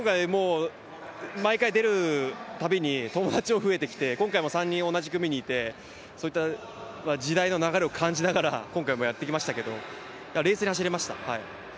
毎回出るたびに友達も増えてきて、今回も３人同じ組にいてそういった時代の流れも感じながら、今回もやってきましたが、冷静に走れました。